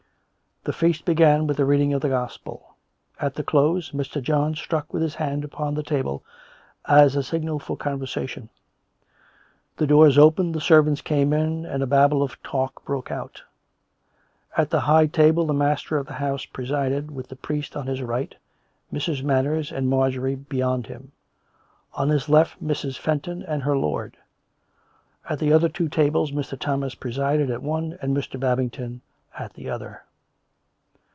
The feast began with the reading of the Gospel ; at the close, Mr. John struck with his hand upon the table as a signal for conversation; the doors opened; the servants 100 COME RACK! COME ROPE! came in, and a babble of talk broke out. At the high table the master of the house presided, with the priest on his right, Mrs, Manners and Marjorie beyond him; on his left, Mrs. Fenton and her lord. At the other two tables Mr. Thomas presided at one and Mr. Babington at the other.